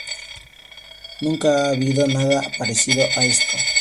Nunca ha habido nada parecido a esto.